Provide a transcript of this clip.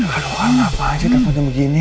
aduh kenapa aja teleponnya begini